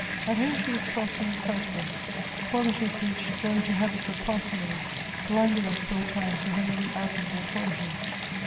At home she was cross and excitable, qualities which, joined to habits of parsimony, blinded us for a time to her many admirable qualities.